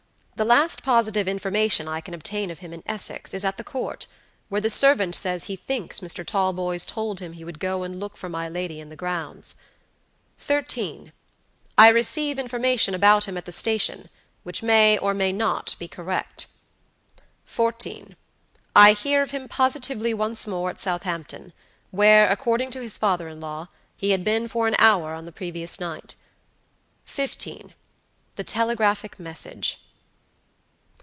The last positive information I can obtain of him in Essex is at the Court, where the servant says he thinks Mr. Talboys told him he would go and look for my lady in the grounds." "13. I receive information about him at the station which may or may not be correct." "14. I hear of him positively once more at Southampton, where, according to his father in law, he had been for an hour on the previous night." "15. The telegraphic message."